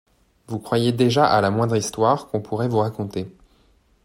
Vous croyez déjà à la moindre histoire qu'on pourrait vous raconter.